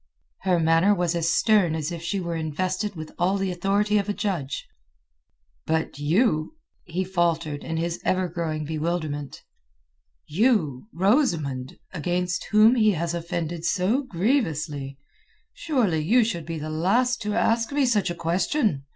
Her manner was as stern as if she were invested with all the authority of a judge. "But you," he faltered in his ever growing bewilderment, "you, Rosamund, against whom he has offended so grievously, surely you should be the last to ask me such a question!